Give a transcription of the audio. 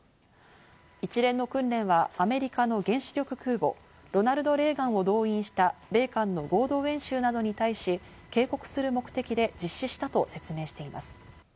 一連の訓練はアメリカの原子力空母「ロナルド・レーガン」を動員した米韓の合同演習などに対し、警告する目的で実施したと説明しています。